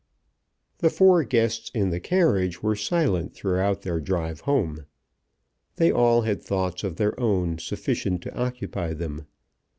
The four guests in the carriage were silent throughout their drive home. They all had thoughts of their own sufficient to occupy them.